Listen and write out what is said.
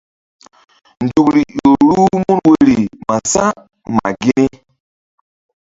Nzukri ƴo ruh mun woyri ma sa̧ ma gini.